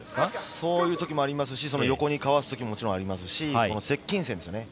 そういう時もありますし、横にかわす時もありますし接近戦ですね。